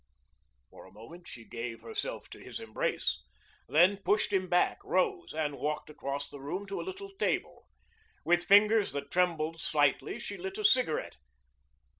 For a moment she gave herself to his embrace, then pushed him back, rose, and walked across the room to a little table. With fingers that trembled slightly she lit a cigarette.